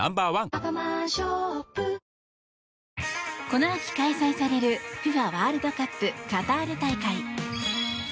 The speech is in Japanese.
この秋、開催されるＦＩＦＡワールドカップカタール大会。